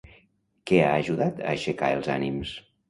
Què ha ajudat a aixecar els ànims?